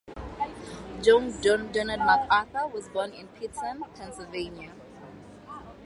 John Donald MacArthur was born in Pittston, Pennsylvania.